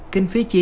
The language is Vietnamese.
kinh phí chi